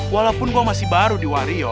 walaupun gue masih baru di wario